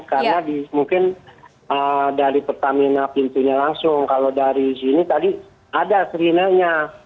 karena mungkin dari pertamina pintunya langsung kalau dari sini tadi ada serinanya